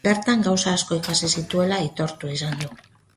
Bertan gauza asko ikasi zituela aitortu izan du.